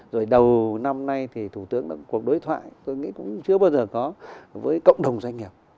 rồi đầu năm nay thì thủ tướng đã cuộc đối thoại tôi nghĩ cũng chưa bao giờ có với cộng đồng doanh nghiệp